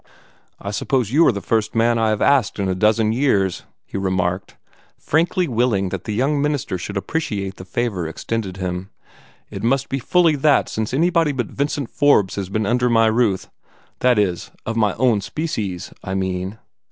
"I suppose you are the first man I have asked in a dozen years," he remarked, frankly willing that the young minister should appreciate the favor extended him. "It must be fully that since anybody but Vincent Forbes has been under my roof; that is, of my own species, I mean."